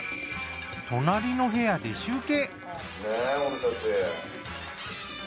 隣の部屋で集計。